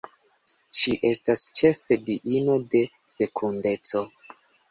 Ŝi estas ĉefe diino de fekundeco.